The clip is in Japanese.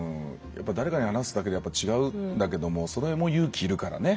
誰かに話すだけで違うんだけどもそれも勇気いるからね。